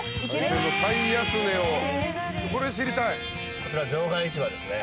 こちら場外市場ですね。